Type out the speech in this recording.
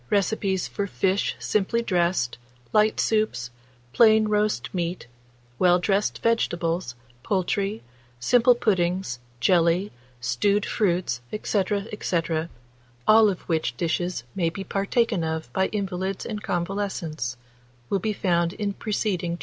Recipes for fish simply dressed, light soups, plain roast meat, well dressed vegetables, poultry, simple puddings, jelly, stewed fruits, &c. &c., all of which dishes may be partaken of by invalids and convalescents, will be found in preceding chapters. DINNERS AND DINING.